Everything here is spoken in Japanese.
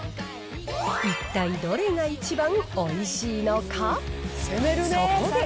一体どれが一番おいしいのか。